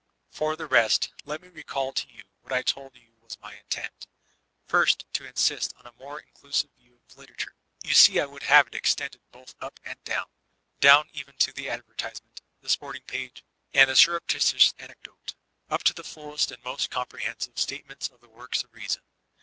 For the rest, let me recall to you what I told you was my intent: First : To insist on a more mdusive view of Literature; you see I would have it extended both up and down,— dawm even to the advertisement, the sporting page, and the surreptitious anecdote, — up to the fullest and most comprehensive statements of the worics of reason.